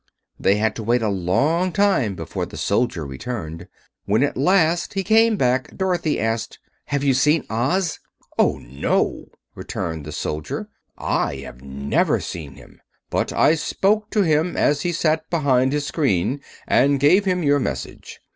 They had to wait a long time before the soldier returned. When, at last, he came back, Dorothy asked: "Have you seen Oz?" "Oh, no," returned the soldier; "I have never seen him. But I spoke to him as he sat behind his screen and gave him your message.